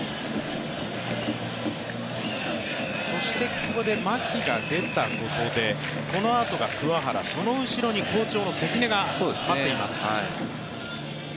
ここで牧が出たことでこのあとが桑原、その後ろに好調の関根が待っています。